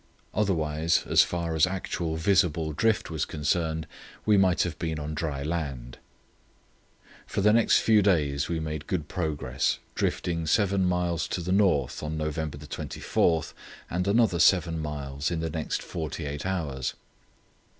Otherwise, as far as actual visible drift was concerned, we might have been on dry land. For the next few days we made good progress, drifting seven miles to the north on November 24 and another seven miles in the next forty eight hours.